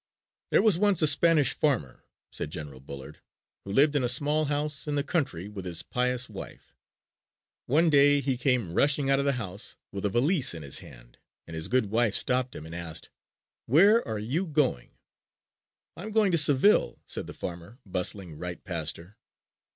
"There was once a Spanish farmer," said General Bullard, "who lived in a small house in the country with his pious wife. One day he came rushing out of the house with a valise in his hand and his good wife stopped him and asked, 'Where are you going?' 'I'm going to Seville,' said the farmer bustling right past her.